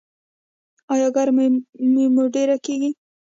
ایا ګرمي مو ډیره کیږي؟